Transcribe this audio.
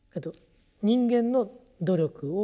人間の努力を。